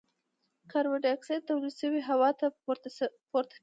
کاربن ډای اکسایډ تولید شوی هوا ته پورته کیږي.